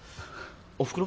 おふくろ？